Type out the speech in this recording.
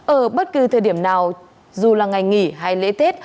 ở bất cứ thời điểm nào dù là ngày nghỉ hay lễ tết